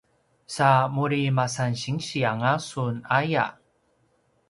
sa muri masan sinsi anga sun aya